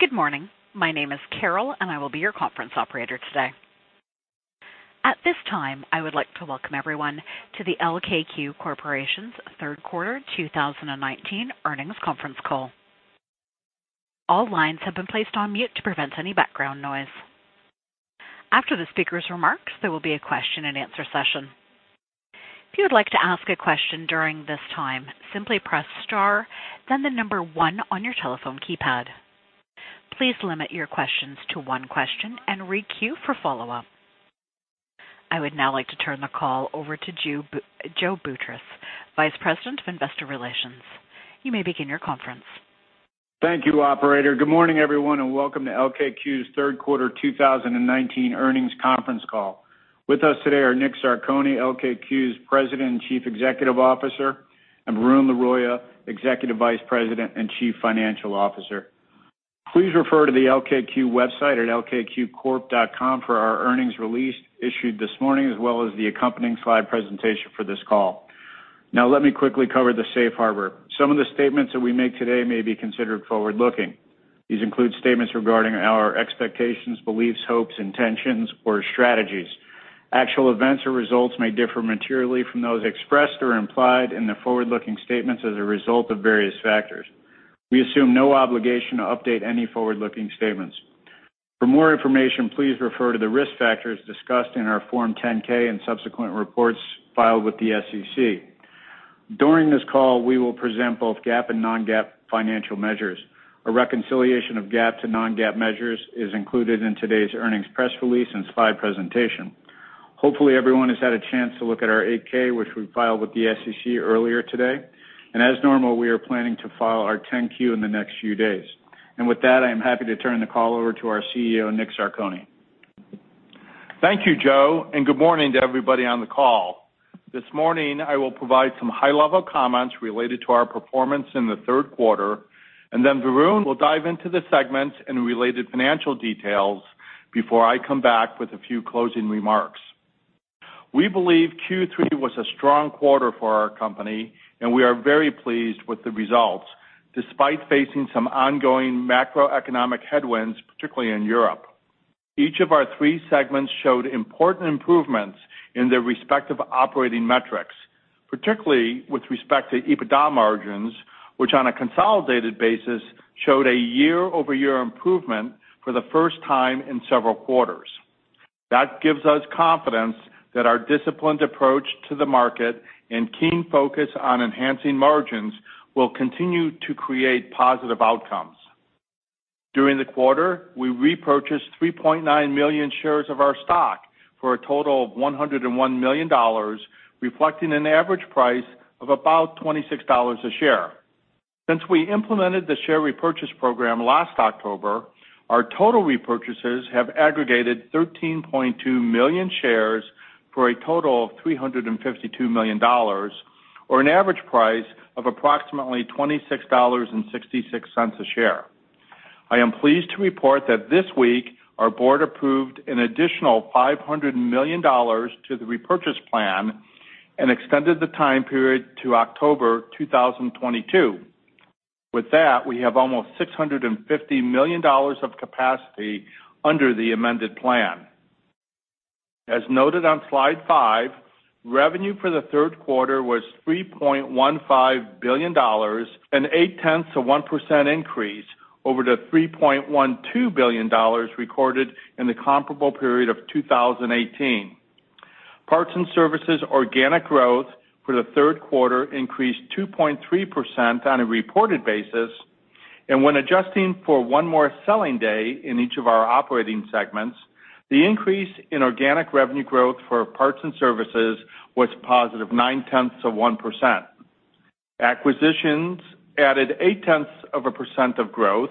Good morning. My name is Carol, and I will be your conference operator today. At this time, I would like to welcome everyone to the LKQ Corporation's third quarter 2019 earnings conference call. All lines have been placed on mute to prevent any background noise. After the speaker's remarks, there will be a question and answer session. If you would like to ask a question during this time, simply press star, then the number 1 on your telephone keypad. Please limit your questions to one question and re-queue for follow-up. I would now like to turn the call over to Joe Boutross, Vice President of Investor Relations. You may begin your conference. Thank you, operator. Good morning, everyone, and welcome to LKQ's third quarter 2019 earnings conference call. With us today are Dominick Zarcone, LKQ's President and Chief Executive Officer, and Varun Laroyia, Executive Vice President and Chief Financial Officer. Please refer to the LKQ website at lkqcorp.com for our earnings release issued this morning, as well as the accompanying slide presentation for this call. Let me quickly cover the safe harbor. Some of the statements that we make today may be considered forward-looking. These include statements regarding our expectations, beliefs, hopes, intentions, or strategies. Actual events or results may differ materially from those expressed or implied in the forward-looking statements as a result of various factors. We assume no obligation to update any forward-looking statements. For more information, please refer to the risk factors discussed in our Form 10-K and subsequent reports filed with the SEC. During this call, we will present both GAAP and non-GAAP financial measures. A reconciliation of GAAP to non-GAAP measures is included in today's earnings press release and slide presentation. Hopefully, everyone has had a chance to look at our 8-K, which we filed with the SEC earlier today. As normal, we are planning to file our 10-Q in the next few days. With that, I am happy to turn the call over to our CEO, Dominick Zarcone. Thank you, Joe, good morning to everybody on the call. This morning, I will provide some high-level comments related to our performance in the third quarter, and then Varun will dive into the segments and related financial details before I come back with a few closing remarks. We believe Q3 was a strong quarter for our company, and we are very pleased with the results, despite facing some ongoing macroeconomic headwinds, particularly in Europe. Each of our three segments showed important improvements in their respective operating metrics, particularly with respect to EBITDA margins, which on a consolidated basis showed a year-over-year improvement for the first time in several quarters. That gives us confidence that our disciplined approach to the market and keen focus on enhancing margins will continue to create positive outcomes. During the quarter, we repurchased 3.9 million shares of our stock for a total of $101 million, reflecting an average price of about $26 a share. Since we implemented the share repurchase program last October, our total repurchases have aggregated 13.2 million shares for a total of $352 million, or an average price of approximately $26.66 a share. I am pleased to report that this week our board approved an additional $500 million to the repurchase plan and extended the time period to October 2022. With that, we have almost $650 million of capacity under the amended plan. As noted on slide five, revenue for the third quarter was $3.15 billion, a 0.8% increase over the $3.12 billion recorded in the comparable period of 2018. Parts and services organic growth for the third quarter increased 2.3% on a reported basis. When adjusting for one more selling day in each of our operating segments, the increase in organic revenue growth for parts and services was positive 0.9%. Acquisitions added 0.8% of growth,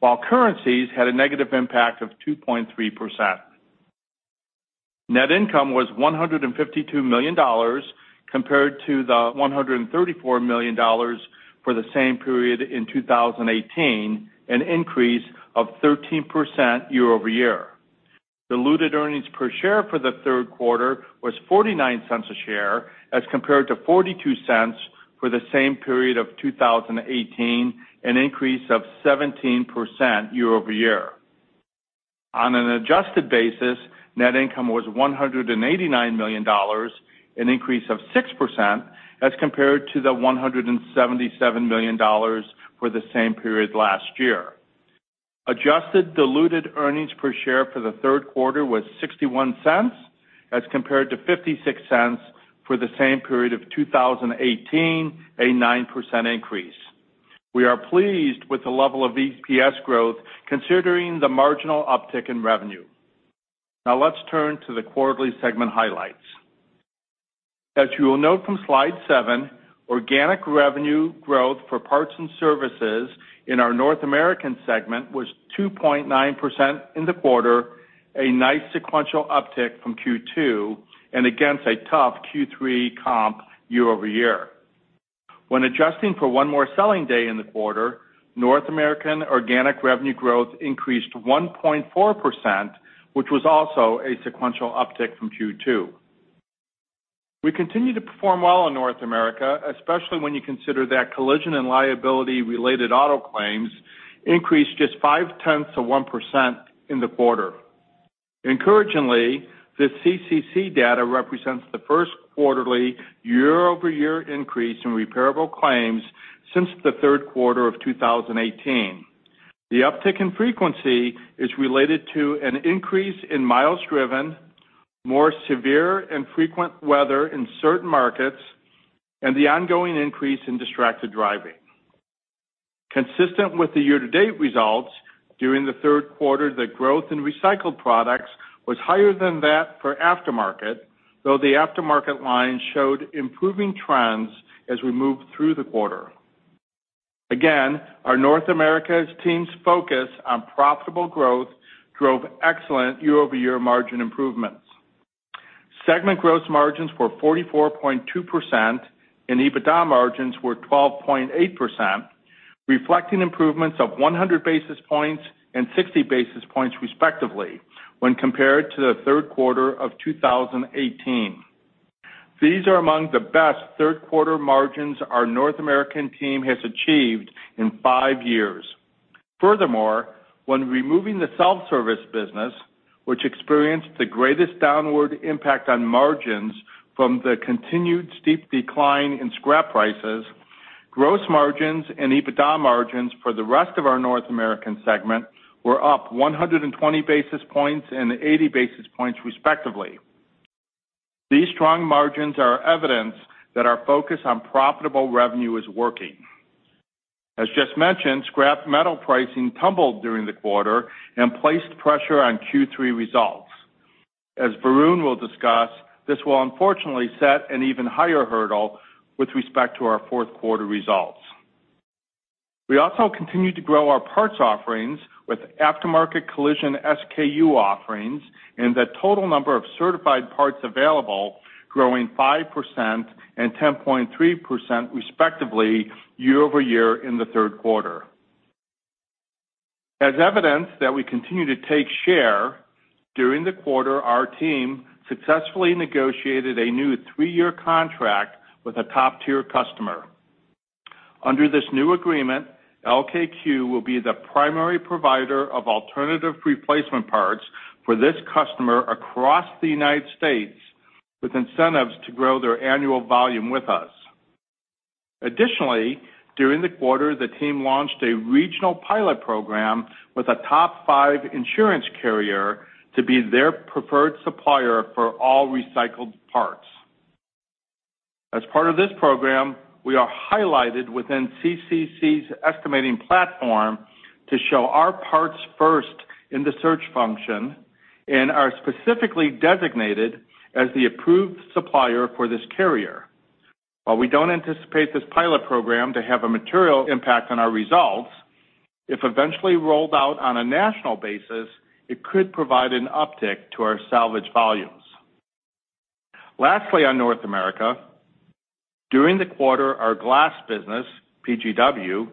while currencies had a negative impact of 2.3%. Net income was $152 million compared to the $134 million for the same period in 2018, an increase of 13% year-over-year. Diluted earnings per share for the third quarter was $0.49 a share as compared to $0.42 for the same period of 2018, an increase of 17% year-over-year. On an adjusted basis, net income was $189 million, an increase of 6%, as compared to the $177 million for the same period last year. Adjusted diluted earnings per share for the third quarter was $0.61 as compared to $0.56 for the same period of 2018, a 9% increase. We are pleased with the level of EPS growth considering the marginal uptick in revenue. Let's turn to the quarterly segment highlights. As you will note from slide seven, organic revenue growth for parts and services in our North American segment was 2.9% in the quarter, a nice sequential uptick from Q2 and against a tough Q3 comp year-over-year. When adjusting for one more selling day in the quarter, North American organic revenue growth increased 1.4%, which was also a sequential uptick from Q2. We continue to perform well in North America, especially when you consider that collision and liability-related auto claims increased just 0.5% in the quarter. Encouragingly, the CCC data represents the first quarterly year-over-year increase in repairable claims since the third quarter of 2018. The uptick in frequency is related to an increase in miles driven, more severe and frequent weather in certain markets, and the ongoing increase in distracted driving. Consistent with the year-to-date results, during the third quarter, the growth in recycled products was higher than that for aftermarket, though the aftermarket line showed improving trends as we moved through the quarter. Again, our North America's team's focus on profitable growth drove excellent year-over-year margin improvements. Segment gross margins were 44.2%, and EBITDA margins were 12.8%, reflecting improvements of 100 basis points and 60 basis points, respectively, when compared to the third quarter of 2018. These are among the best third-quarter margins our North American team has achieved in five years. Furthermore, when removing the self-service business, which experienced the greatest downward impact on margins from the continued steep decline in scrap prices, gross margins and EBITDA margins for the rest of our North American segment were up 120 basis points and 80 basis points, respectively. These strong margins are evidence that our focus on profitable revenue is working. As just mentioned, scrap metal pricing tumbled during the quarter and placed pressure on Q3 results. As Varun will discuss, this will unfortunately set an even higher hurdle with respect to our Q4 results. We also continue to grow our parts offerings with aftermarket collision SKU offerings and the total number of certified parts available growing 5% and 10.3% respectively year-over-year in the third quarter. As evidence that we continue to take share, during the quarter, our team successfully negotiated a new three-year contract with a top-tier customer. Under this new agreement, LKQ will be the primary provider of alternative replacement parts for this customer across the United States, with incentives to grow their annual volume with us. Additionally, during the quarter, the team launched a regional pilot program with a top 5 insurance carrier to be their preferred supplier for all recycled parts. As part of this program, we are highlighted within CCC's estimating platform to show our parts first in the search function and are specifically designated as the approved supplier for this carrier. While we don't anticipate this pilot program to have a material impact on our results, if eventually rolled out on a national basis, it could provide an uptick to our salvage volumes. Lastly, on North America, during the quarter, our glass business, PGW,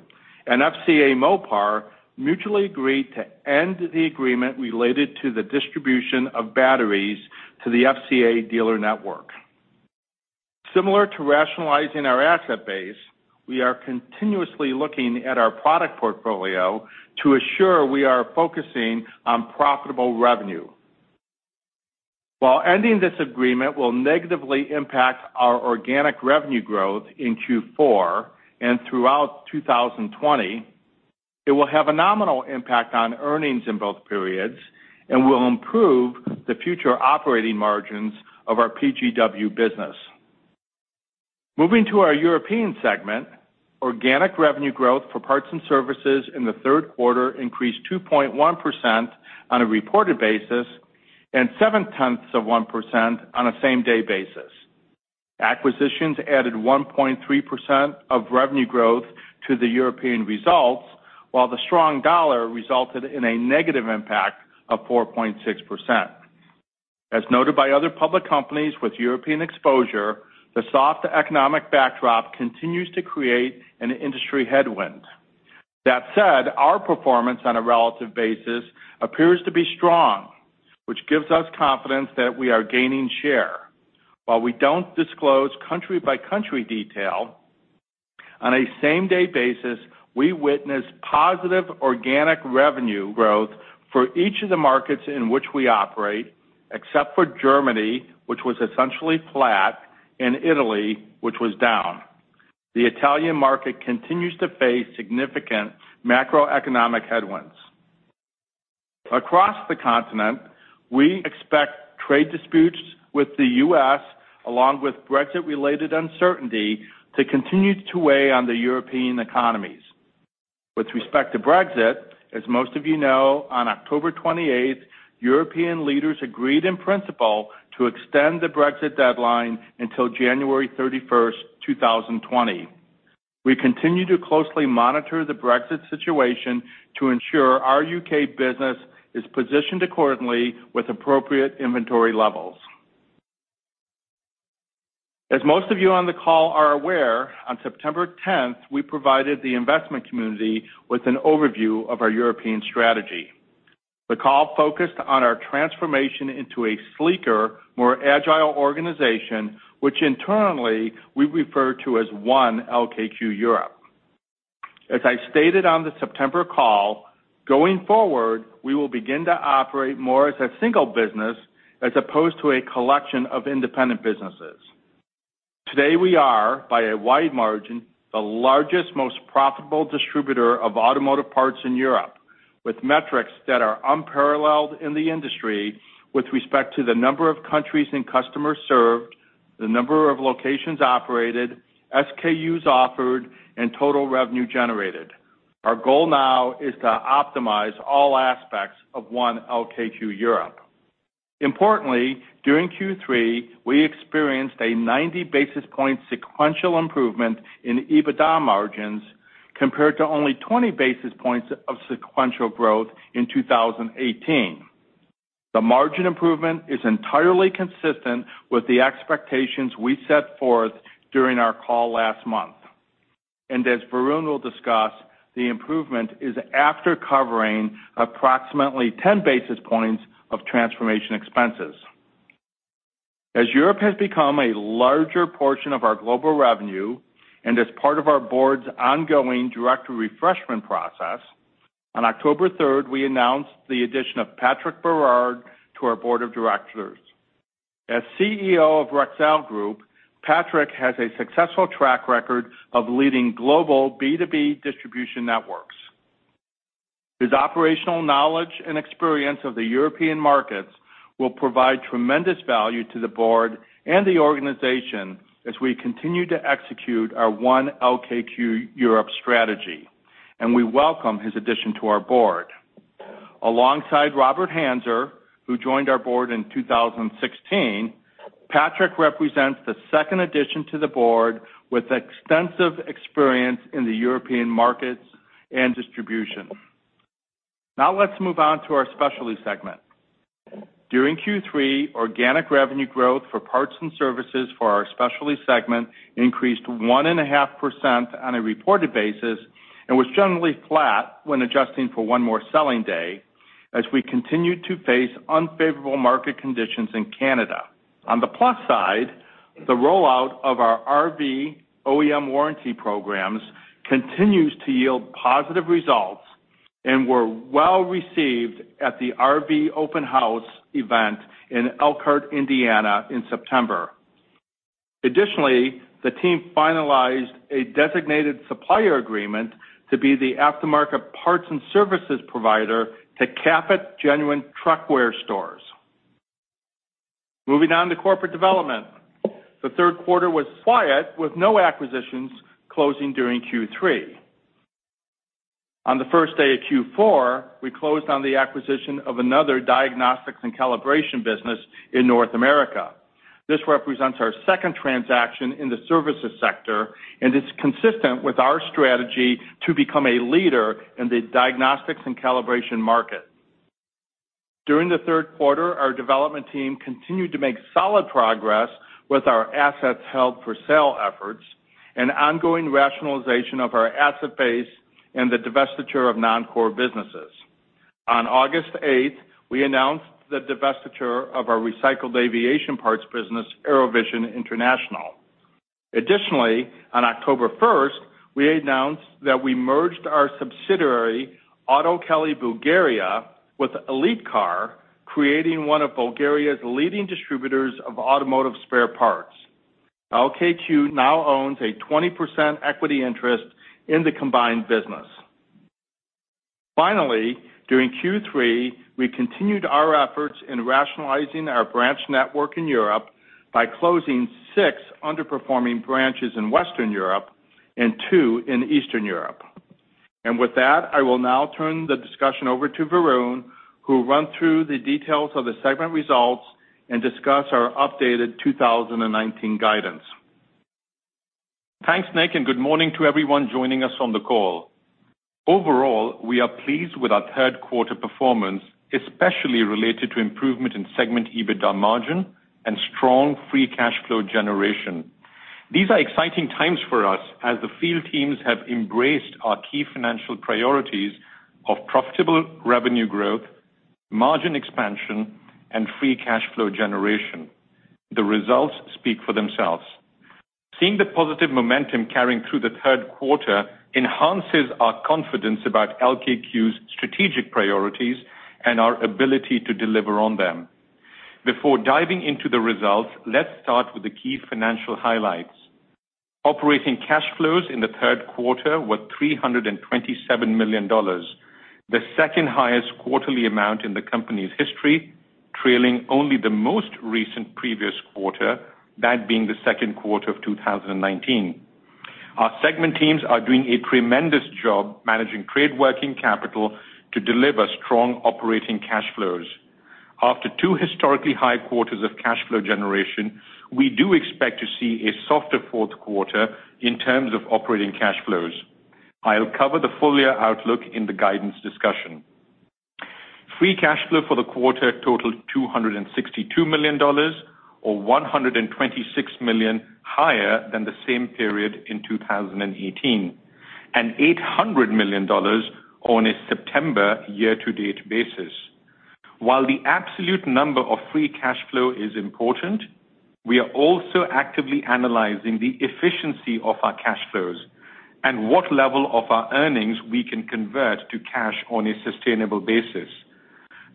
and FCA Mopar mutually agreed to end the agreement related to the distribution of batteries to the FCA dealer network. Similar to rationalizing our asset base, we are continuously looking at our product portfolio to assure we are focusing on profitable revenue. While ending this agreement will negatively impact our organic revenue growth in Q4 and throughout 2020, it will have a nominal impact on earnings in both periods and will improve the future operating margins of our PGW business. Moving to our European segment, organic revenue growth for parts and services in the third quarter increased 2.1% on a reported basis and 0.7% on a same-day basis. Acquisitions added 1.3% of revenue growth to the European results, while the strong dollar resulted in a negative impact of 4.6%. As noted by other public companies with European exposure, the soft economic backdrop continues to create an industry headwind. That said, our performance on a relative basis appears to be strong, which gives us confidence that we are gaining share. While we don't disclose country-by-country detail, on a same-day basis, we witnessed positive organic revenue growth for each of the markets in which we operate, except for Germany, which was essentially flat, and Italy, which was down. The Italian market continues to face significant macroeconomic headwinds. Across the continent, we expect trade disputes with the U.S., along with Brexit-related uncertainty, to continue to weigh on the European economies. With respect to Brexit, as most of you know, on October 28th, European leaders agreed in principle to extend the Brexit deadline until January 31st, 2020. We continue to closely monitor the Brexit situation to ensure our U.K. business is positioned accordingly with appropriate inventory levels. As most of you on the call are aware, on September 10th, we provided the investment community with an overview of our European strategy. The call focused on our transformation into a sleeker, more agile organization, which internally we refer to as One LKQ Europe. As I stated on the September call, going forward, we will begin to operate more as a single business as opposed to a collection of independent businesses. Today we are, by a wide margin, the largest, most profitable distributor of automotive parts in Europe, with metrics that are unparalleled in the industry with respect to the number of countries and customers served, the number of locations operated, SKUs offered, and total revenue generated. Our goal now is to optimize all aspects of One LKQ Europe. During Q3, we experienced a 90 basis point sequential improvement in EBITDA margins, compared to only 20 basis points of sequential growth in 2018. The margin improvement is entirely consistent with the expectations we set forth during our call last month. As Varun will discuss, the improvement is after covering approximately 10 basis points of transformation expenses. As Europe has become a larger portion of our global revenue, and as part of our board's ongoing director refreshment process, on October 3rd, we announced the addition of Patrick Berard to our board of directors. As CEO of Rexel Group, Patrick has a successful track record of leading global B2B distribution networks. His operational knowledge and experience of the European markets will provide tremendous value to the board and the organization as we continue to execute our One LKQ Europe strategy. We welcome his addition to our board. Alongside Robert Hanser, who joined our board in 2016, Patrick represents the second addition to the board with extensive experience in the European markets and distribution. Let's move on to our specialty segment. During Q3, organic revenue growth for parts and services for our specialty segment increased 1.5% on a reported basis and was generally flat when adjusting for one more selling day as we continued to face unfavorable market conditions in Canada. On the plus side, the rollout of our RV OEM warranty programs continues to yield positive results and were well-received at the RV Open House event in Elkhart, Indiana, in September. The team finalized a designated supplier agreement to be the aftermarket parts and services provider to Cap-it Genuine Truck Wear Stores. On to corporate development. The third quarter was quiet, with no acquisitions closing during Q3. On the first day of Q4, we closed on the acquisition of another diagnostics and calibration business in North America. This represents our second transaction in the services sector and is consistent with our strategy to become a leader in the diagnostics and calibration market. During the third quarter, our development team continued to make solid progress with our assets held for sale efforts and ongoing rationalization of our asset base and the divestiture of non-core businesses. On August 8th, we announced the divestiture of our recycled aviation parts business, AeroVision International. Additionally, on October 1st, we announced that we merged our subsidiary, Auto Kelly Bulgaria, with Elite Car, creating one of Bulgaria's leading distributors of automotive spare parts. LKQ now owns a 20% equity interest in the combined business. Finally, during Q3, we continued our efforts in rationalizing our branch network in Europe by closing six underperforming branches in Western Europe and two in Eastern Europe. With that, I will now turn the discussion over to Varun, who'll run through the details of the segment results and discuss our updated 2019 guidance. Thanks, Nick. Good morning to everyone joining us on the call. Overall, we are pleased with our third quarter performance, especially related to improvement in segment EBITDA margin and strong free cash flow generation. These are exciting times for us as the field teams have embraced our key financial priorities of profitable revenue growth, margin expansion, and free cash flow generation. The results speak for themselves. Seeing the positive momentum carrying through the third quarter enhances our confidence about LKQ's strategic priorities and our ability to deliver on them. Before diving into the results, let's start with the key financial highlights. Operating cash flows in the third quarter were $327 million, the second-highest quarterly amount in the company's history, trailing only the most recent previous quarter, that being the second quarter of 2019. Our segment teams are doing a tremendous job managing trade working capital to deliver strong operating cash flows. After two historically high quarters of cash flow generation, we do expect to see a softer fourth quarter in terms of operating cash flows. I'll cover the full year outlook in the guidance discussion. Free cash flow for the quarter totaled $262 million or $126 million higher than the same period in 2018. $800 million on a September year-to-date basis. While the absolute number of free cash flow is important, we are also actively analyzing the efficiency of our cash flows and what level of our earnings we can convert to cash on a sustainable basis.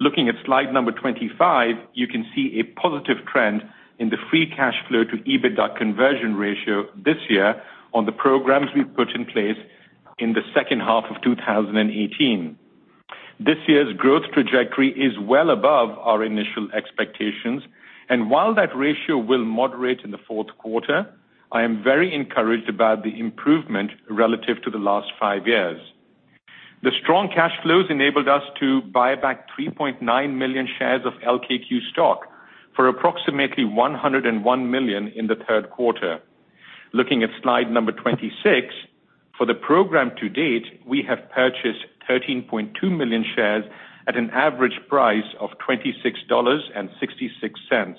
Looking at slide number 25, you can see a positive trend in the free cash flow to EBITDA conversion ratio this year on the programs we've put in place in the second half of 2018. This year's growth trajectory is well above our initial expectations. While that ratio will moderate in the fourth quarter, I am very encouraged about the improvement relative to the last five years. The strong cash flows enabled us to buy back 3.9 million shares of LKQ stock for approximately $101 million in the third quarter. Looking at slide number 26, for the program to date, we have purchased 13.2 million shares at an average price of $26.66,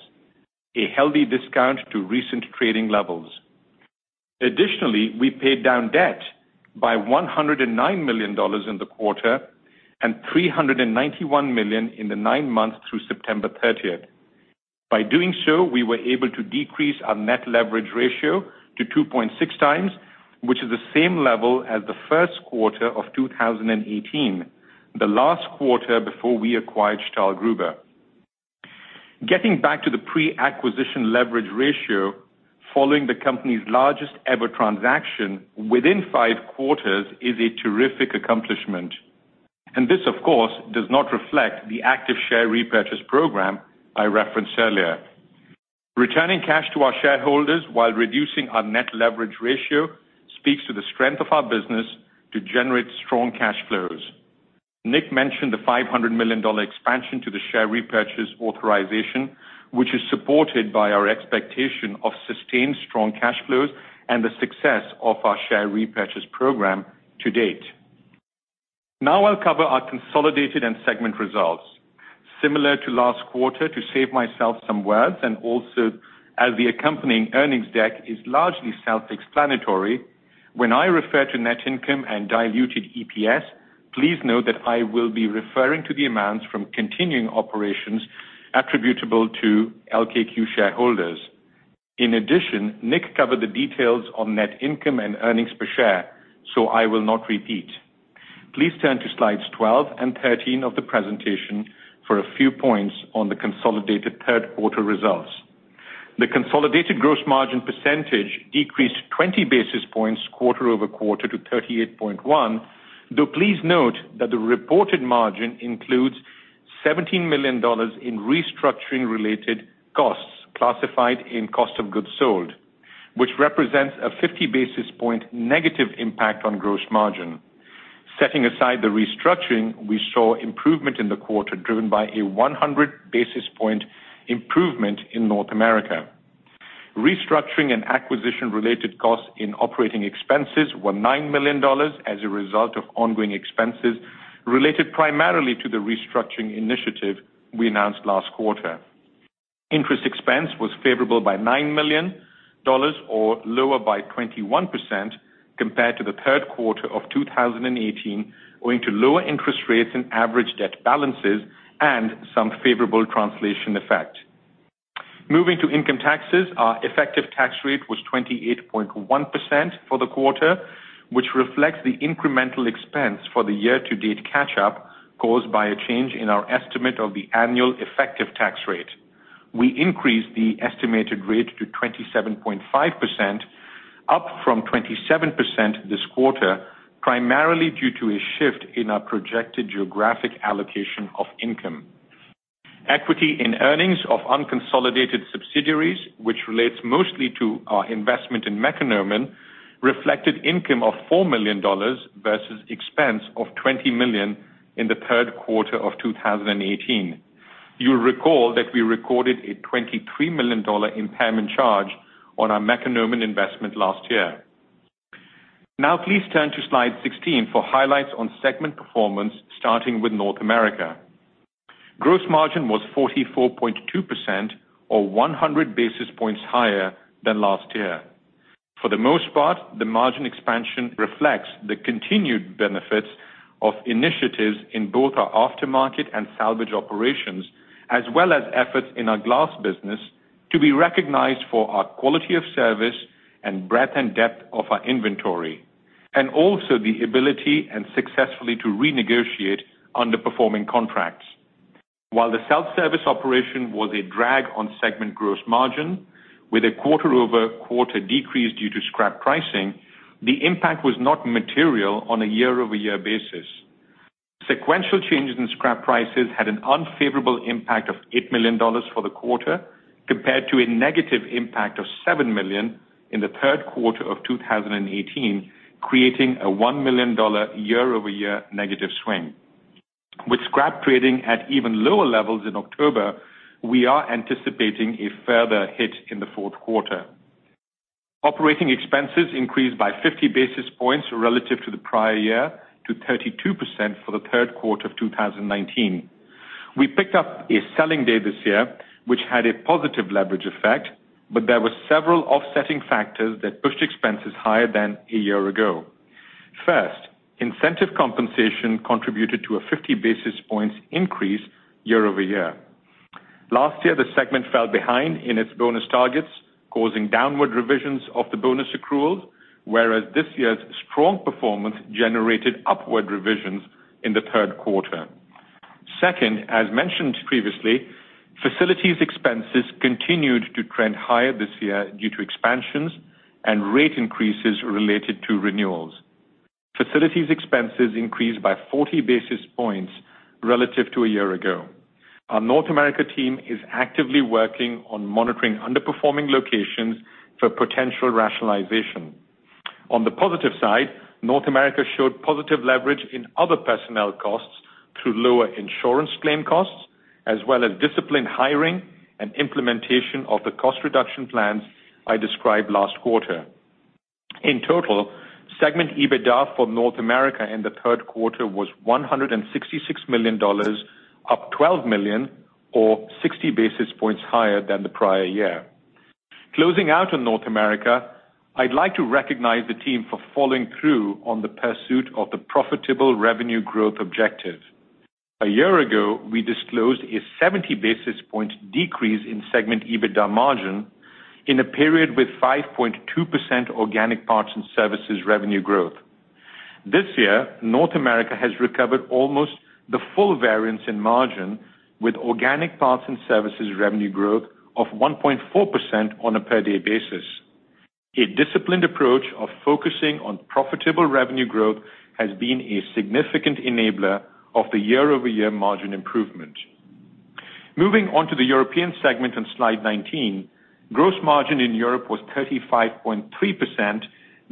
a healthy discount to recent trading levels. Additionally, we paid down debt by $109 million in the quarter and $391 million in the nine months through September 30th. By doing so, we were able to decrease our net leverage ratio to 2.6 times, which is the same level as the first quarter of 2018, the last quarter before we acquired Stahlgruber. Getting back to the pre-acquisition leverage ratio following the company's largest-ever transaction within 5 quarters is a terrific accomplishment. This, of course, does not reflect the active share repurchase program I referenced earlier. Returning cash to our shareholders while reducing our net leverage ratio speaks to the strength of our business to generate strong cash flows. Nick mentioned the $500 million expansion to the share repurchase authorization, which is supported by our expectation of sustained strong cash flows and the success of our share repurchase program to date. I'll cover our consolidated and segment results. Similar to last quarter, to save myself some words, and also as the accompanying earnings deck is largely self-explanatory, when I refer to net income and diluted EPS, please note that I will be referring to the amounts from continuing operations attributable to LKQ shareholders. In addition, Nick covered the details on net income and earnings per share, so I will not repeat. Please turn to slides 12 and 13 of the presentation for a few points on the consolidated third quarter results. The consolidated gross margin percentage decreased 20 basis points quarter-over-quarter to 38.1%, though please note that the reported margin includes $17 million in restructuring-related costs classified in cost of goods sold, which represents a 50 basis point negative impact on gross margin. Setting aside the restructuring, we saw improvement in the quarter, driven by a 100 basis point improvement in North America. Restructuring and acquisition-related costs in operating expenses were $9 million as a result of ongoing expenses related primarily to the restructuring initiative we announced last quarter. Interest expense was favorable by $9 million, or lower by 21% compared to the third quarter of 2018, owing to lower interest rates and average debt balances and some favorable translation effect. Moving to income taxes, our effective tax rate was 28.1% for the quarter, which reflects the incremental expense for the year-to-date catch-up caused by a change in our estimate of the annual effective tax rate. We increased the estimated rate to 27.5%, up from 27% this quarter, primarily due to a shift in our projected geographic allocation of income. Equity in earnings of unconsolidated subsidiaries, which relates mostly to our investment in Mekonomen, reflected income of $4 million versus expense of $20 million in the third quarter of 2018. You'll recall that we recorded a $23 million impairment charge on our Mekonomen investment last year. Now please turn to slide 16 for highlights on segment performance, starting with North America. Gross margin was 44.2%, or 100 basis points higher than last year. For the most part, the margin expansion reflects the continued benefits of initiatives in both our aftermarket and salvage operations, as well as efforts in our glass business to be recognized for our quality of service and breadth and depth of our inventory, and also the ability and successfully to renegotiate underperforming contracts. While the self-service operation was a drag on segment gross margin with a quarter-over-quarter decrease due to scrap pricing, the impact was not material on a year-over-year basis. Sequential changes in scrap prices had an unfavorable impact of $8 million for the quarter, compared to a negative impact of $7 million in the third quarter of 2018, creating a $1 million year-over-year negative swing. With scrap trading at even lower levels in October, we are anticipating a further hit in the fourth quarter. Operating expenses increased by 50 basis points relative to the prior year, to 32% for the third quarter of 2019. We picked up a selling day this year, which had a positive leverage effect, but there were several offsetting factors that pushed expenses higher than a year ago. First, incentive compensation contributed to a 50 basis points increase year-over-year. Last year, the segment fell behind in its bonus targets, causing downward revisions of the bonus accruals, whereas this year's strong performance generated upward revisions in the third quarter. Second, as mentioned previously, facilities expenses continued to trend higher this year due to expansions and rate increases related to renewals. Facilities expenses increased by 40 basis points relative to a year ago. Our North America team is actively working on monitoring underperforming locations for potential rationalization. On the positive side, North America showed positive leverage in other personnel costs through lower insurance claim costs, as well as disciplined hiring and implementation of the cost reduction plans I described last quarter. In total, segment EBITDA for North America in the third quarter was $166 million, up $12 million or 60 basis points higher than the prior year. Closing out on North America, I'd like to recognize the team for following through on the pursuit of the profitable revenue growth objective. A year ago, we disclosed a 70 basis point decrease in segment EBITDA margin in a period with 5.2% organic parts and services revenue growth. This year, North America has recovered almost the full variance in margin with organic parts and services revenue growth of 1.4% on a per-day basis. A disciplined approach of focusing on profitable revenue growth has been a significant enabler of the year-over-year margin improvement. Moving on to the European segment on slide 19. Gross margin in Europe was 35.3%,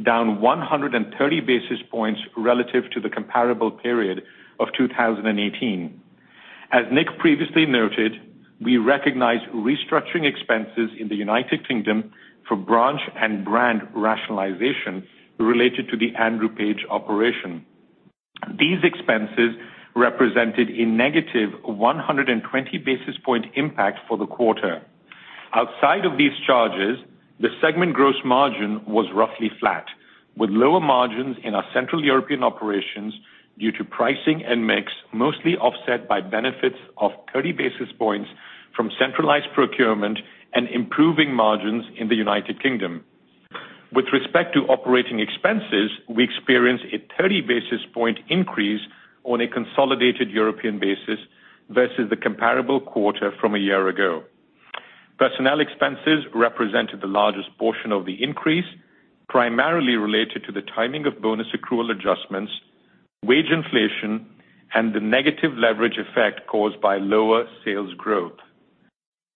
down 130 basis points relative to the comparable period of 2018. As Nick previously noted, we recognize restructuring expenses in the United Kingdom for branch and brand rationalization related to the Andrew Page operation. These expenses represented a negative 120 basis point impact for the quarter. Outside of these charges, the segment gross margin was roughly flat, with lower margins in our Central European operations due to pricing and mix, mostly offset by benefits of 30 basis points from centralized procurement and improving margins in the United Kingdom. With respect to operating expenses, we experienced a 30 basis point increase on a consolidated European basis versus the comparable quarter from a year ago. Personnel expenses represented the largest portion of the increase, primarily related to the timing of bonus accrual adjustments, wage inflation, and the negative leverage effect caused by lower sales growth.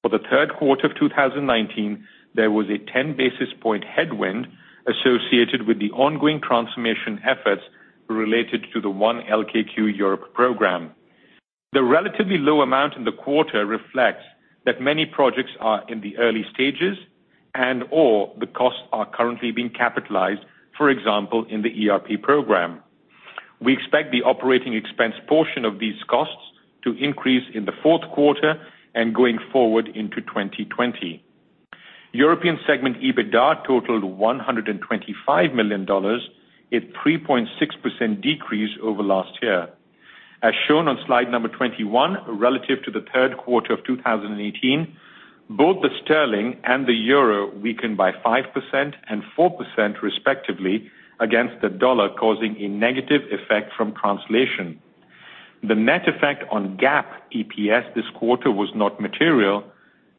For the third quarter of 2019, there was a 10 basis point headwind associated with the ongoing transformation efforts related to the One LKQ Europe program. The relatively low amount in the quarter reflects that many projects are in the early stages and/or the costs are currently being capitalized, for example, in the ERP program. We expect the operating expense portion of these costs to increase in the fourth quarter and going forward into 2020. European segment EBITDA totaled $125 million, a 3.6% decrease over last year. As shown on slide 21, relative to the third quarter of 2018, both the GBP and the EUR weakened by 5% and 4% respectively against the USD, causing a negative effect from translation. The net effect on GAAP EPS this quarter was not material,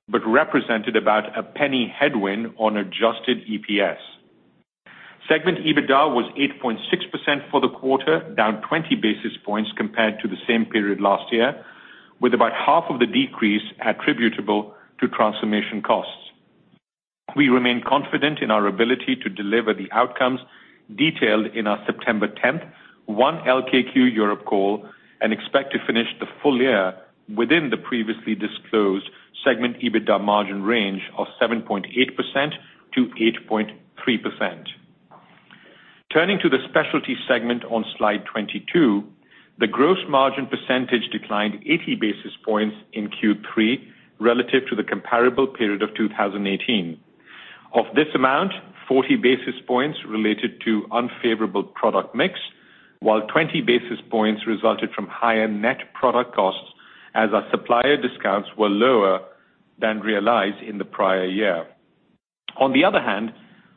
but represented about a $0.01 headwind on adjusted EPS. Segment EBITDA was 8.6% for the quarter, down 20 basis points compared to the same period last year, with about half of the decrease attributable to transformation costs. We remain confident in our ability to deliver the outcomes detailed in our September 10th One LKQ Europe call and expect to finish the full year within the previously disclosed segment EBITDA margin range of 7.8%-8.3%. Turning to the specialty segment on slide 22, the gross margin percentage declined 80 basis points in Q3 relative to the comparable period of 2018. Of this amount, 40 basis points related to unfavorable product mix, while 20 basis points resulted from higher net product costs as our supplier discounts were lower than realized in the prior year. On the other hand,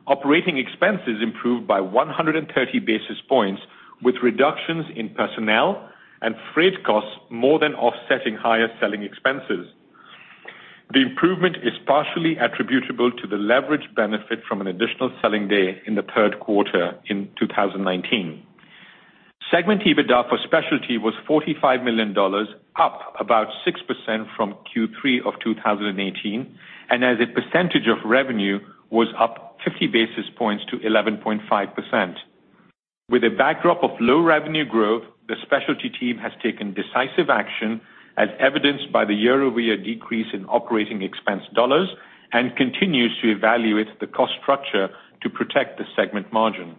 operating expenses improved by 130 basis points, with reductions in personnel and freight costs more than offsetting higher selling expenses. The improvement is partially attributable to the leverage benefit from an additional selling day in the third quarter in 2019. Segment EBITDA for specialty was $45 million, up about 6% from Q3 of 2018, and as a percentage of revenue, was up 50 basis points to 11.5%. With a backdrop of low revenue growth, the specialty team has taken decisive action as evidenced by the year-over-year decrease in operating expense dollars and continues to evaluate the cost structure to protect the segment margin.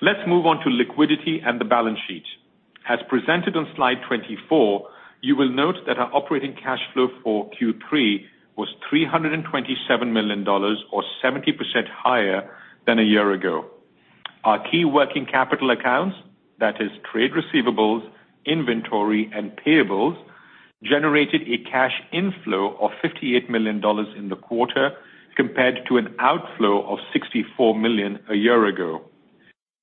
Let's move on to liquidity and the balance sheet. As presented on slide 24, you will note that our operating cash flow for Q3 was $327 million, or 70% higher than a year ago. Our key working capital accounts, that is trade receivables, inventory, and payables, generated a cash inflow of $58 million in the quarter, compared to an outflow of $64 million a year ago.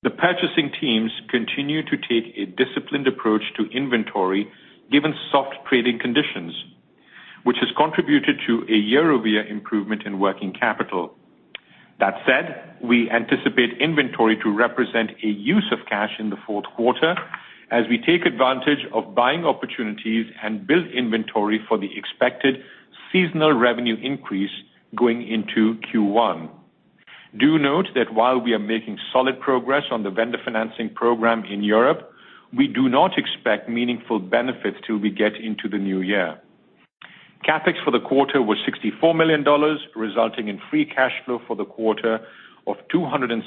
The purchasing teams continue to take a disciplined approach to inventory given soft trading conditions, which has contributed to a year-over-year improvement in working capital. That said, we anticipate inventory to represent a use of cash in the fourth quarter as we take advantage of buying opportunities and build inventory for the expected seasonal revenue increase going into Q1. Do note that while we are making solid progress on the vendor financing program in Europe, we do not expect meaningful benefits till we get into the new year. CapEx for the quarter was $64 million, resulting in free cash flow for the quarter of $262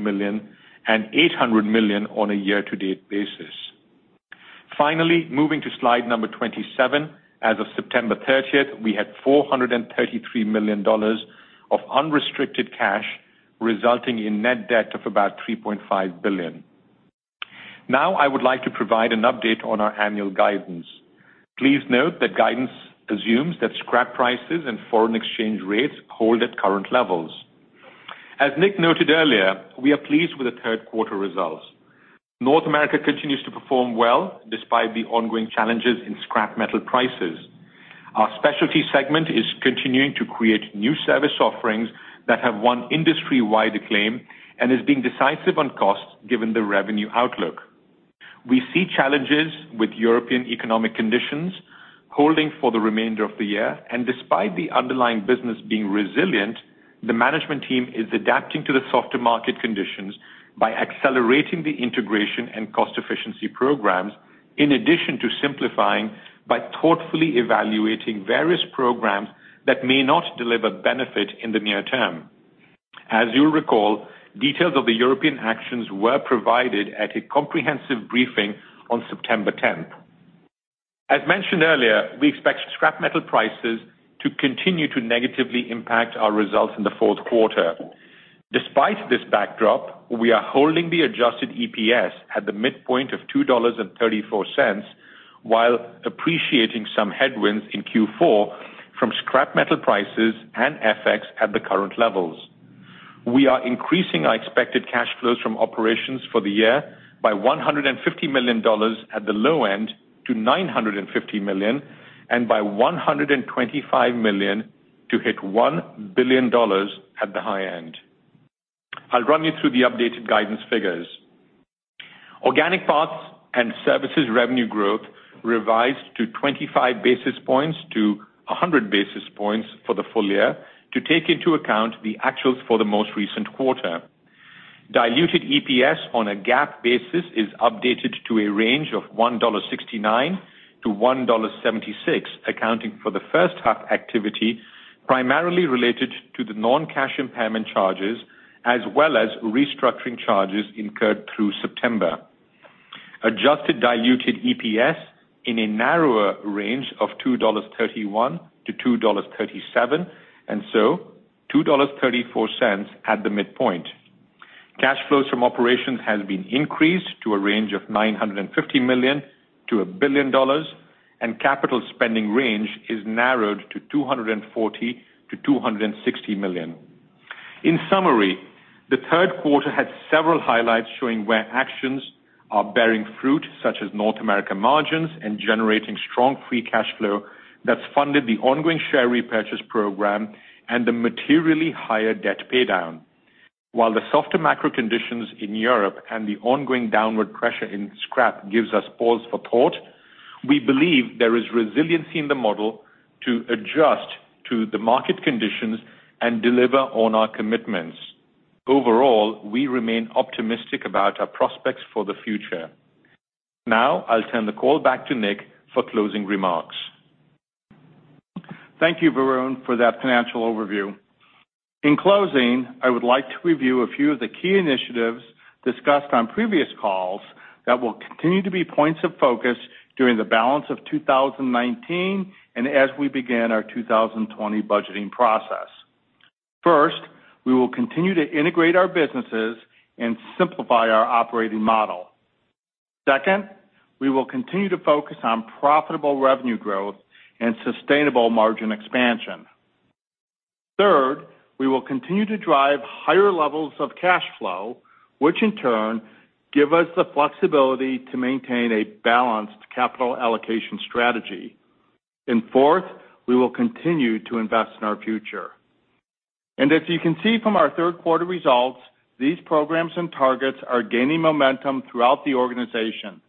million and $800 million on a year-to-date basis. Moving to slide number 27, as of September 30th, we had $433 million of unrestricted cash, resulting in net debt of about $3.5 billion. I would like to provide an update on our annual guidance. Please note that guidance assumes that scrap prices and foreign exchange rates hold at current levels. As Nick noted earlier, we are pleased with the third quarter results. North America continues to perform well despite the ongoing challenges in scrap metal prices. Our specialty segment is continuing to create new service offerings that have won industry-wide acclaim and is being decisive on cost, given the revenue outlook. We see challenges with European economic conditions holding for the remainder of the year, and despite the underlying business being resilient, the management team is adapting to the softer market conditions by accelerating the integration and cost efficiency programs, in addition to simplifying by thoughtfully evaluating various programs that may not deliver benefit in the near term. As you'll recall, details of the European actions were provided at a comprehensive briefing on September 10th. As mentioned earlier, we expect scrap metal prices to continue to negatively impact our results in the fourth quarter. Despite this backdrop, we are holding the adjusted EPS at the midpoint of $2.34, while appreciating some headwinds in Q4 from scrap metal prices and FX at the current levels. We are increasing our expected cash flows from operations for the year by $150 million at the low end to $950 million, and by $125 million to hit $1 billion at the high end. I'll run you through the updated guidance figures. Organic parts and services revenue growth revised to 25 basis points to 100 basis points for the full year to take into account the actuals for the most recent quarter. Diluted EPS on a GAAP basis is updated to a range of $1.69 to $1.76, accounting for the first half activity, primarily related to the non-cash impairment charges as well as restructuring charges incurred through September. Adjusted diluted EPS in a narrower range of $2.31 to $2.37, $2.34 at the midpoint. Cash flows from operations has been increased to a range of $950 million-$1 billion, capital spending range is narrowed to $240 million-$260 million. In summary, the third quarter had several highlights showing where actions are bearing fruit, such as North America margins and generating strong free cash flow that's funded the ongoing share repurchase program and the materially higher debt paydown. While the softer macro conditions in Europe and the ongoing downward pressure in scrap gives us pause for thought, we believe there is resiliency in the model to adjust to the market conditions and deliver on our commitments. Overall, we remain optimistic about our prospects for the future. I'll turn the call back to Nick for closing remarks. Thank you, Varun, for that financial overview. In closing, I would like to review a few of the key initiatives discussed on previous calls that will continue to be points of focus during the balance of 2019 and as we begin our 2020 budgeting process. First, we will continue to integrate our businesses and simplify our operating model. Second, we will continue to focus on profitable revenue growth and sustainable margin expansion. Third, we will continue to drive higher levels of cash flow, which in turn give us the flexibility to maintain a balanced capital allocation strategy. Fourth, we will continue to invest in our future. As you can see from our third quarter results, these programs and targets are gaining momentum throughout the organization,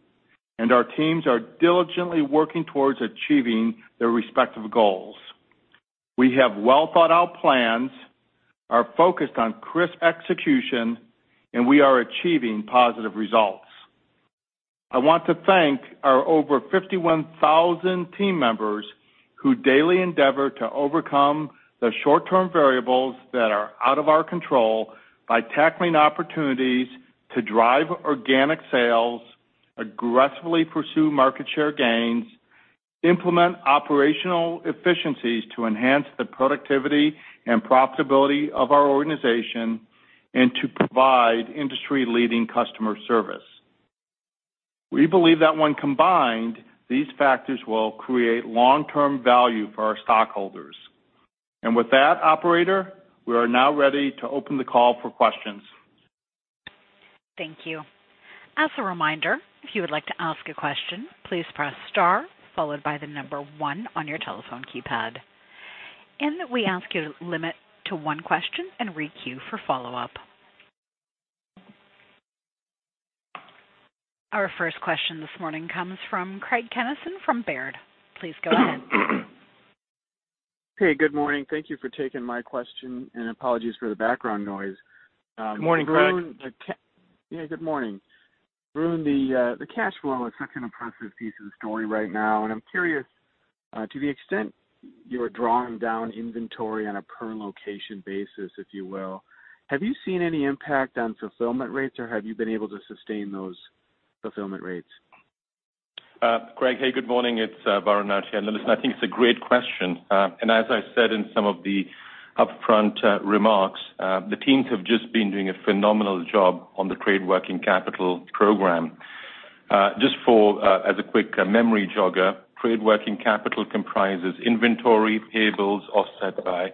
and our teams are diligently working towards achieving their respective goals. We have well-thought-out plans, are focused on crisp execution, we are achieving positive results. I want to thank our over 51,000 team members who daily endeavor to overcome the short-term variables that are out of our control by tackling opportunities to drive organic sales, aggressively pursue market share gains, implement operational efficiencies to enhance the productivity and profitability of our organization, and to provide industry-leading customer service. We believe that when combined, these factors will create long-term value for our stockholders. With that, operator, we are now ready to open the call for questions. Thank you. As a reminder, if you would like to ask a question, please press star followed by the number one on your telephone keypad. We ask you to limit to one question and re-queue for follow-up. Our first question this morning comes from Craig Kennison from Baird. Please go ahead. Hey, good morning. Thank you for taking my question, and apologies for the background noise. Good morning, Craig. Yeah, good morning. Varun, the cash flow is such an impressive piece of the story right now, and I'm curious to the extent you are drawing down inventory on a per location basis, if you will. Have you seen any impact on fulfillment rates, or have you been able to sustain those fulfillment rates? Craig, hey, good morning. It's Varun Laroyia. Listen, I think it's a great question. As I said in some of the upfront remarks, the teams have just been doing a phenomenal job on the trade working capital program. Just as a quick memory jogger, trade working capital comprises inventory, payables offset by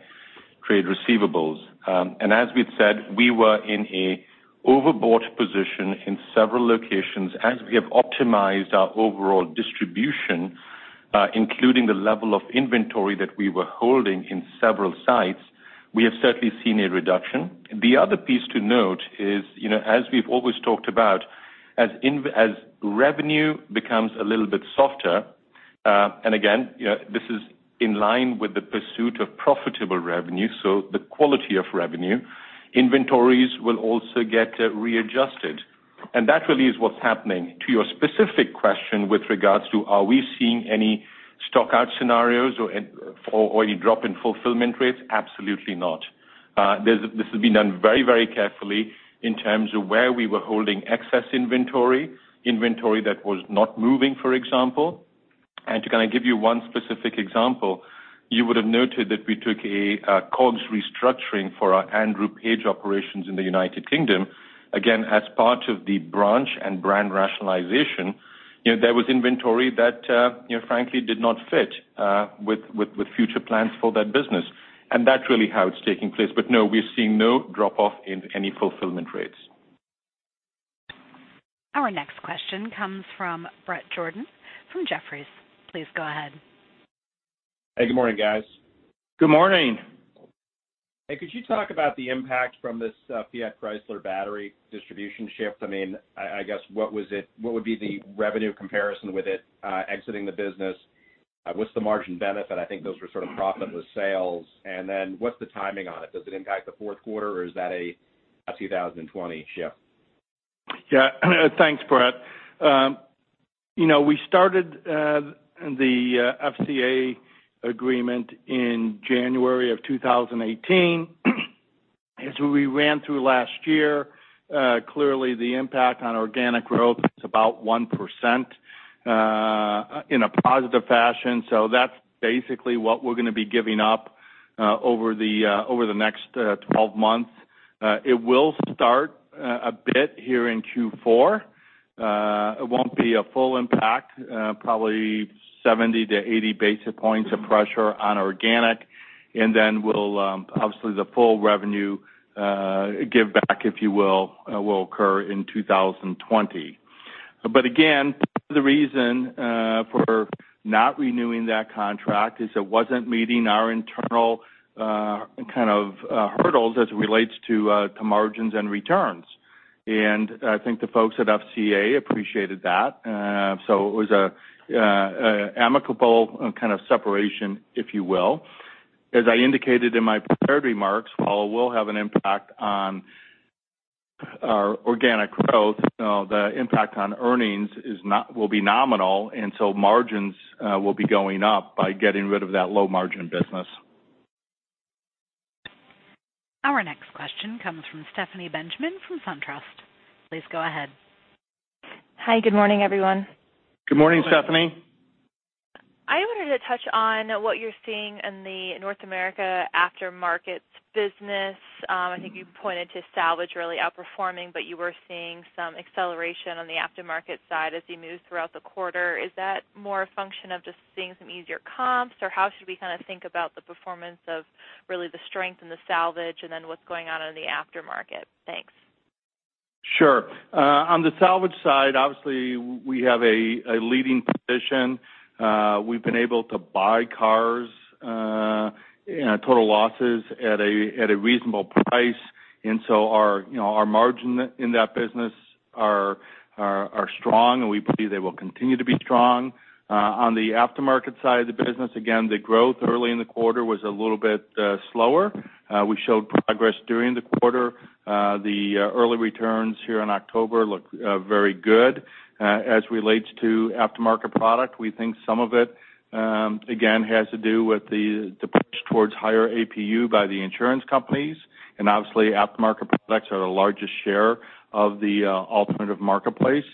trade receivables. As we'd said, we were in an overbought position in several locations. As we have optimized our overall distribution, including the level of inventory that we were holding in several sites, we have certainly seen a reduction. The other piece to note is, as we've always talked about, as revenue becomes a little bit softer, and again, this is in line with the pursuit of profitable revenue, so the quality of revenue, inventories will also get readjusted. That really is what's happening. To your specific question with regards to are we seeing any stock out scenarios or any drop in fulfillment rates, absolutely not. This has been done very carefully in terms of where we were holding excess inventory that was not moving, for example. To kind of give you one specific example, you would've noted that we took a COGS restructuring for our Andrew Page operations in the United Kingdom. Again, as part of the branch and brand rationalization, there was inventory that frankly did not fit with future plans for that business. That's really how it's taking place. No, we're seeing no drop off in any fulfillment rates. Our next question comes from Bret Jordan from Jefferies. Please go ahead. Hey, good morning, guys. Good morning. Hey, could you talk about the impact from this Fiat Chrysler battery distribution shift? I guess what would be the revenue comparison with it exiting the business? What's the margin benefit? I think those were sort of profitless sales. Then what's the timing on it? Does it impact the fourth quarter or is that a 2020 shift? Thanks, Bret. We started the FCA agreement in January of 2018. As we ran through last year, clearly the impact on organic growth is about 1% in a positive fashion. That's basically what we're going to be giving up over the next 12 months. It will start a bit here in Q4. It won't be a full impact, probably 70 to 80 basic points of pressure on organic, obviously the full revenue giveback, if you will occur in 2020. Again, part of the reason for not renewing that contract is it wasn't meeting our internal hurdles as it relates to margins and returns. I think the folks at FCA appreciated that. It was an amicable kind of separation, if you will. As I indicated in my prepared remarks, while it will have an impact on our organic growth, the impact on earnings will be nominal, and so margins will be going up by getting rid of that low-margin business. Our next question comes from Stephanie Benjamin from SunTrust. Please go ahead. Hi. Good morning, everyone. Good morning, Stephanie. I wanted to touch on what you're seeing in the North America aftermarket business. I think you pointed to salvage really outperforming, but you were seeing some acceleration on the aftermarket side as you moved throughout the quarter. Is that more a function of just seeing some easier comps, or how should we kind of think about the performance of really the strength in the salvage and then what's going on in the aftermarket? Thanks. Sure. On the salvage side, obviously, we have a leading position. We've been able to buy cars Total losses at a reasonable price. Our margin in that business are strong, and we believe they will continue to be strong. On the aftermarket side of the business, again, the growth early in the quarter was a little bit slower. We showed progress during the quarter. The early returns here in October look very good. As relates to aftermarket product, we think some of it, again, has to do with the push towards higher APU by the insurance companies. Obviously aftermarket products are the largest share of the alternative marketplace.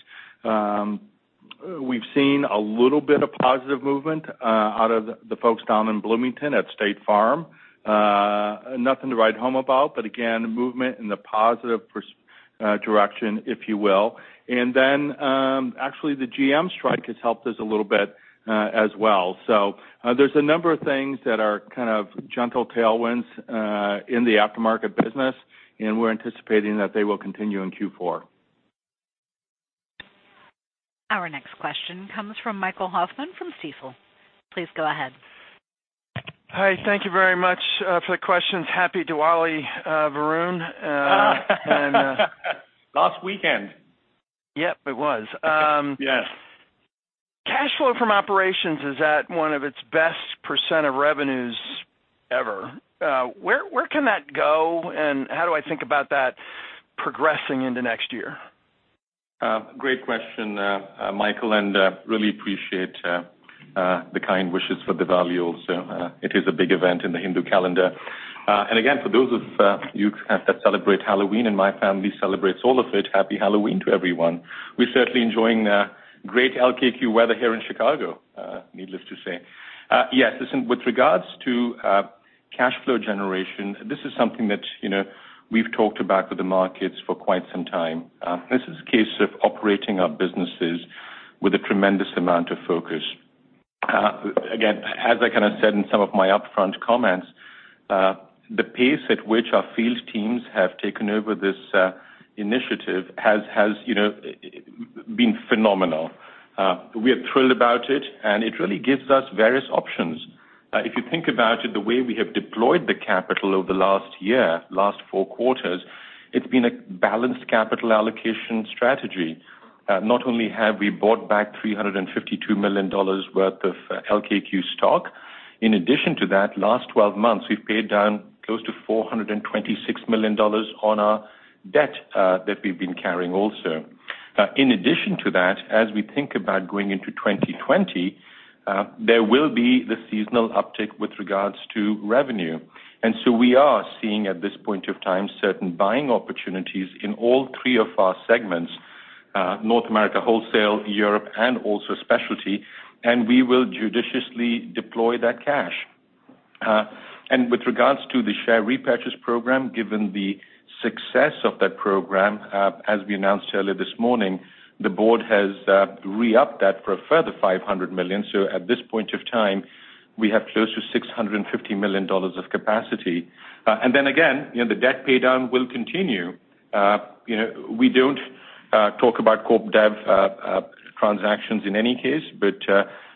We've seen a little bit of positive movement out of the folks down in Bloomington at State Farm. Nothing to write home about, but again, movement in the positive direction, if you will. Actually the GM strike has helped us a little bit as well. There's a number of things that are kind of gentle tailwinds in the aftermarket business, and we're anticipating that they will continue in Q4. Our next question comes from Michael Hoffman from Stifel. Please go ahead. Hi. Thank you very much for the questions. Happy Diwali, Varun. Last weekend. Yep, it was. Yes. Cash flow from operations is at one of its best % of revenues ever. Where can that go, and how do I think about that progressing into next year? Great question, Michael, really appreciate the kind wishes for Diwali also. It is a big event in the Hindu calendar. Again, for those of you that celebrate Halloween, and my family celebrates all of it, Happy Halloween to everyone. We're certainly enjoying great LKQ weather here in Chicago, needless to say. Listen, with regards to cash flow generation, this is something that we've talked about with the markets for quite some time. This is a case of operating our businesses with a tremendous amount of focus. As I kind of said in some of my upfront comments, the pace at which our field teams have taken over this initiative has been phenomenal. We are thrilled about it, and it really gives us various options. If you think about it, the way we have deployed the capital over last year, last four quarters, it's been a balanced capital allocation strategy. Not only have we bought back $352 million worth of LKQ stock, in addition to that, last 12 months, we've paid down close to $426 million on our debt that we've been carrying also. In addition to that, as we think about going into 2020, there will be the seasonal uptick with regards to revenue. We are seeing at this point of time, certain buying opportunities in all three of our segments, North America Wholesale, Europe, and also Specialty, and we will judiciously deploy that cash. With regards to the share repurchase program, given the success of that program, as we announced earlier this morning, the board has re-upped that for a further $500 million. At this point of time, we have close to $650 million of capacity. Again, the debt pay down will continue. We don't talk about corp dev transactions in any case, but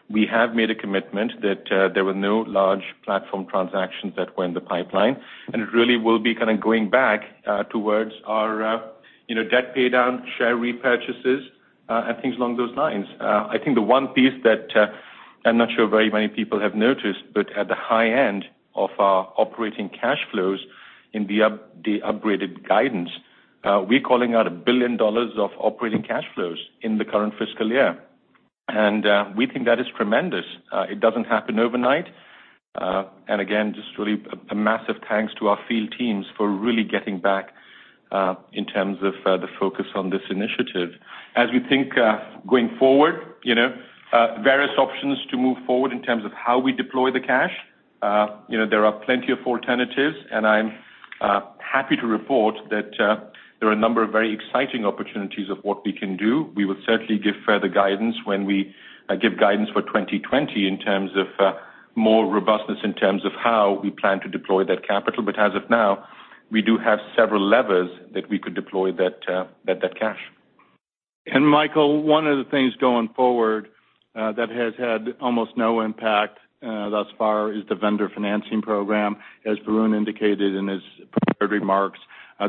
we have made a commitment that there were no large platform transactions that were in the pipeline. It really will be kind of going back towards our debt pay down, share repurchases, and things along those lines. I think the one piece that I'm not sure very many people have noticed, but at the high end of our operating cash flows in the upgraded guidance, we're calling out $1 billion of operating cash flows in the current fiscal year. We think that is tremendous. It doesn't happen overnight. Again, just really a massive thanks to our field teams for really getting back in terms of the focus on this initiative. As we think going forward, various options to move forward in terms of how we deploy the cash. There are plenty of alternatives, and I'm happy to report that there are a number of very exciting opportunities of what we can do. We will certainly give further guidance when we give guidance for 2020 in terms of more robustness in terms of how we plan to deploy that capital. As of now, we do have several levers that we could deploy that cash. Michael, one of the things going forward that has had almost no impact thus far is the vendor financing program, as Varun indicated in his prepared remarks.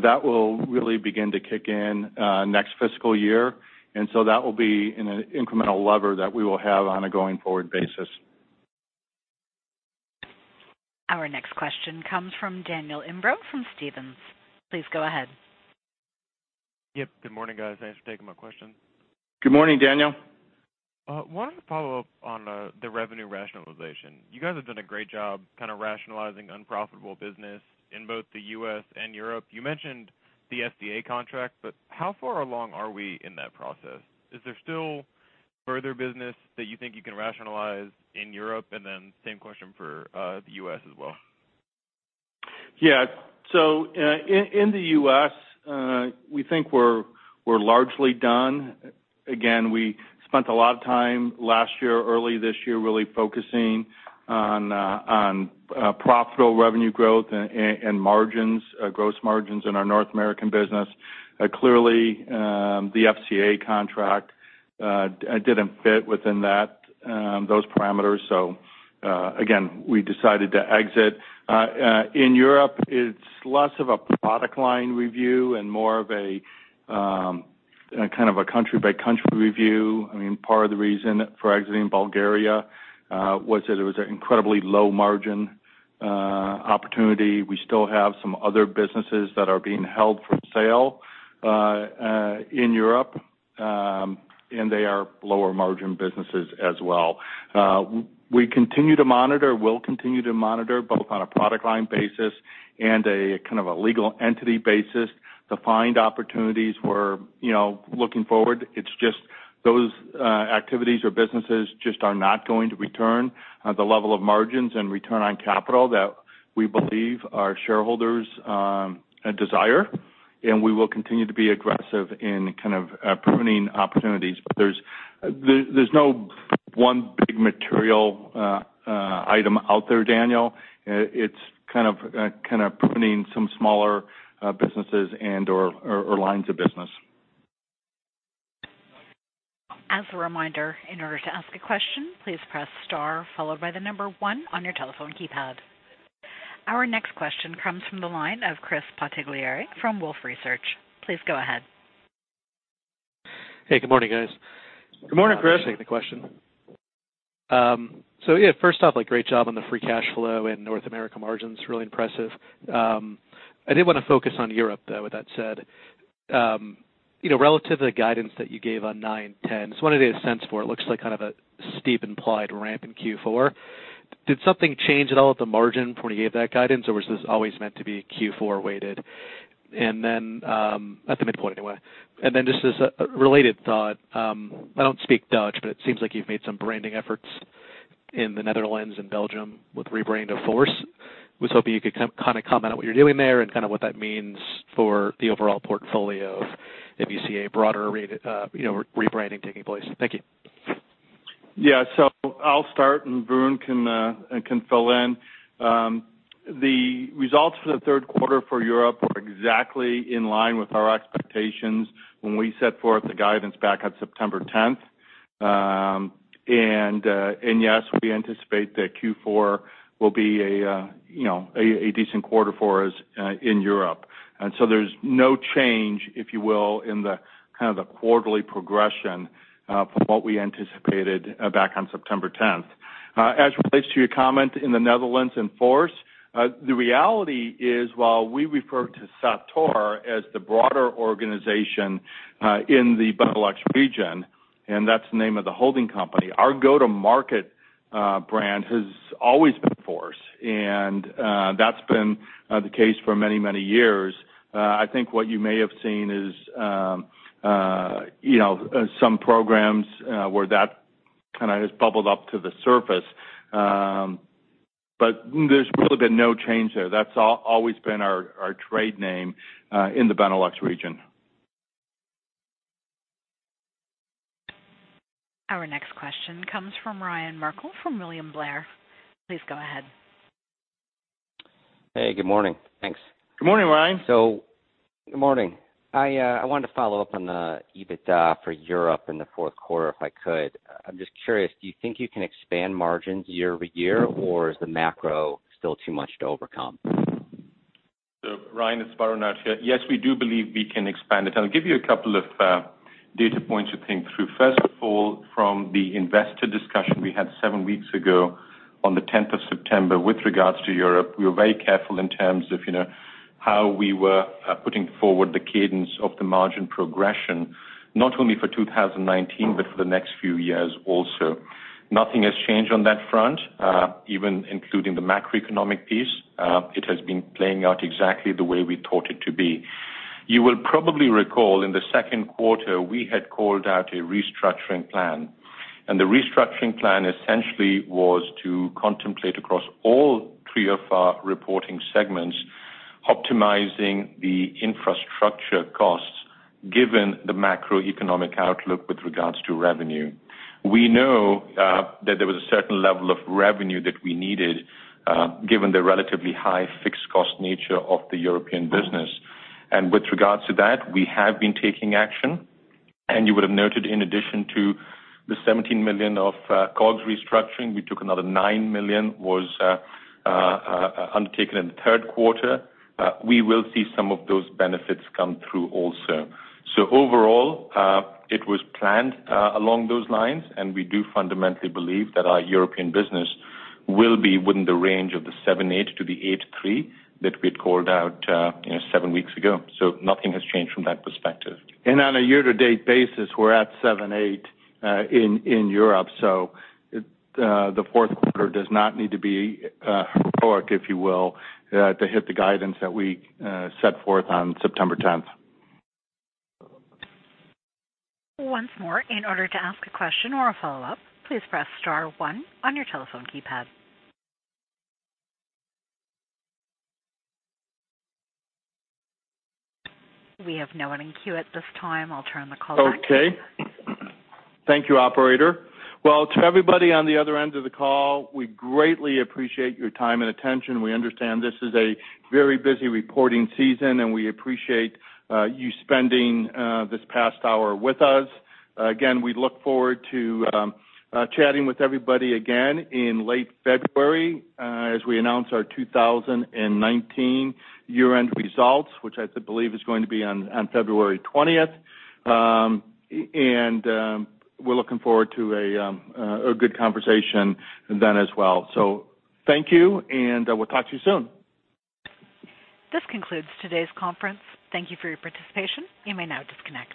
That will really begin to kick in next fiscal year. That will be an incremental lever that we will have on a going-forward basis. Our next question comes from Daniel Imbro from Stephens. Please go ahead. Yep. Good morning, guys. Thanks for taking my question. Good morning, Daniel. wanted to follow up on the revenue rationalization. You guys have done a great job kind of rationalizing unprofitable business in both the U.S. and Europe. You mentioned the FCA contract, how far along are we in that process? Is there still further business that you think you can rationalize in Europe? Same question for the U.S. as well. Yeah. In the U.S., we think we're largely done. Again, we spent a lot of time last year, early this year, really focusing on profitable revenue growth and margins, gross margins in our North American business. Clearly, the FCA contract didn't fit within those parameters. Again, we decided to exit. In Europe, it's less of a product line review and more of a country-by-country review. Part of the reason for exiting Bulgaria was that it was an incredibly low-margin opportunity. We still have some other businesses that are being held for sale in Europe, and they are lower-margin businesses as well. We continue to monitor, will continue to monitor, both on a product line basis and a legal entity basis, to find opportunities where looking forward, it's just those activities or businesses just are not going to return the level of margins and return on capital that we believe our shareholders desire. We will continue to be aggressive in pruning opportunities. There's no one big material item out there, Daniel. It's kind of pruning some smaller businesses and/or lines of business. As a reminder, in order to ask a question, please press star followed by the number one on your telephone keypad. Our next question comes from the line of Chris Bottiglieri from Wolfe Research. Please go ahead. Hey, good morning, guys. Good morning, Chris. Thanks for taking the question. Yeah, first off, great job on the free cash flow and North America margins, really impressive. I did want to focus on Europe, though, with that said. Relative to the guidance that you gave on 9/10, just wanted to get a sense for it. It looks like kind of a steep implied ramp in Q4. Did something change at all at the margin before you gave that guidance, or was this always meant to be Q4 weighted? And then, at the midpoint anyway, and then just as a related thought, I don't speak Dutch, but it seems like you've made some branding efforts in the Netherlands and Belgium with rebranding Fource. Was hoping you could kind of comment on what you're doing there and kind of what that means for the overall portfolio if you see a broader rebranding taking place. Thank you. I'll start and Varun can fill in. The results for the third quarter for Europe were exactly in line with our expectations when we set forth the guidance back on September 10th. Yes, we anticipate that Q4 will be a decent quarter for us in Europe. There's no change, if you will, in the kind of the quarterly progression from what we anticipated back on September 10th. As it relates to your comment in the Netherlands and Fource, the reality is, while we refer to Sator as the broader organization in the Benelux region, and that's the name of the holding company, our go-to-market brand has always been Fource, and that's been the case for many, many years. I think what you may have seen is some programs where that kind of has bubbled up to the surface. There's really been no change there. That's always been our trade name in the Benelux region. Our next question comes from Ryan Merkel from William Blair. Please go ahead. Hey, good morning. Thanks. Good morning, Ryan. Good morning. I wanted to follow up on the EBITDA for Europe in the fourth quarter, if I could. I'm just curious, do you think you can expand margins year-over-year, or is the macro still too much to overcome? Ryan, it's Varun out here. Yes, we do believe we can expand it. I'll give you a couple of data points to think through. First of all, from the investor discussion we had seven weeks ago on the 10th of September with regards to Europe, we were very careful in terms of how we were putting forward the cadence of the margin progression, not only for 2019, but for the next few years also. Nothing has changed on that front, even including the macroeconomic piece. It has been playing out exactly the way we thought it to be. You will probably recall in the second quarter, we had called out a restructuring plan, and the restructuring plan essentially was to contemplate across all three of our reporting segments, optimizing the infrastructure costs given the macroeconomic outlook with regards to revenue. We know that there was a certain level of revenue that we needed given the relatively high fixed cost nature of the European business. With regards to that, we have been taking action, and you would have noted in addition to the $17 million of COGS restructuring, we took another $9 million was undertaken in the third quarter. We will see some of those benefits come through also. Overall, it was planned along those lines, and we do fundamentally believe that our European business will be within the range of the 7.8%-8.3% that we had called out seven weeks ago. Nothing has changed from that perspective. On a year-to-date basis, we're at 7.8 in Europe. The fourth quarter does not need to be heroic, if you will, to hit the guidance that we set forth on September 10th. Once more, in order to ask a question or a follow-up, please press star one on your telephone keypad. We have no one in queue at this time. I'll turn the call back to you. Okay. Thank you, operator. Well, to everybody on the other end of the call, we greatly appreciate your time and attention. We understand this is a very busy reporting season, and we appreciate you spending this past hour with us. We look forward to chatting with everybody again in late February as we announce our 2019 year-end results, which I believe is going to be on February 20th. We're looking forward to a good conversation then as well. Thank you, and we'll talk to you soon. This concludes today's conference. Thank you for your participation. You may now disconnect.